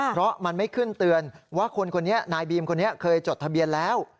เพราะมันไม่ขึ้นเตือนว่าคนคนนี้นายบีมคนนี้เคยจดทะเบียนแล้ว